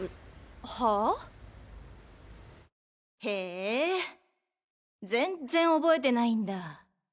ハァ？へ全然覚えてないんだ。